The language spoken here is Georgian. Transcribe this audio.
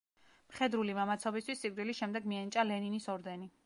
მხედრული მამაცობისთვის სიკვდილის შემდეგ მიენიჭა ლენინის ორდენი.